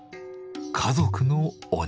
家族の鬼。